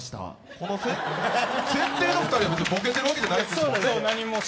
この設定の２人はボケてるわけでもないですもんね。